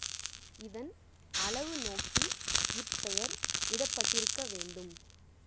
இதன் அளவு நோக்கி இப்பெயர் இடப்பட்டிருக்க வேண்டும்.